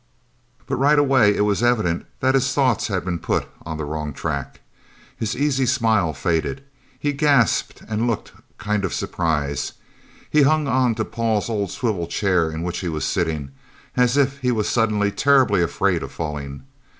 But right away it was evident that his thoughts had been put on the wrong track. His easy smile faded. He gasped and looked kind of surprised. He hung onto Paul's old swivel chair, in which he was sitting, as if he was suddenly terribly afraid of falling.